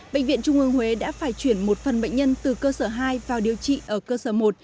bệnh viện trung ương huế đã phải chuyển một phần bệnh nhân từ cơ sở hai vào điều trị ở cơ sở một